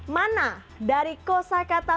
mana dari kosa kata